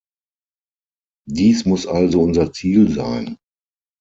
Dies muss also unser Ziel sein.